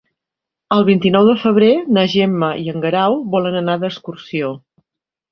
El vint-i-nou de febrer na Gemma i en Guerau volen anar d'excursió.